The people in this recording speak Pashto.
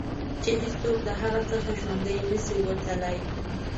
چې هېڅوک د هغه څخه ژوندي نه شي وتلای.